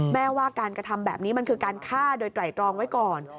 แม่ว่าการกระทำแบบนี้มันคือการฆ่าโดยไตรตรองไว้ก่อน